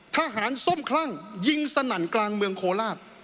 ส้มคลั่งยิงสนั่นกลางเมืองโคราช